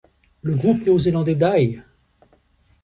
Le groupe néo-zélandais Die!